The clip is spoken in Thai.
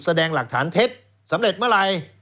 แสดงหลักฐานเท็จสำเร็จเมื่อไหร่